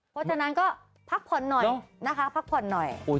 เพราะฉะนั้นก็พักผ่อนหน่อยนะคะพักผ่อนหน่อย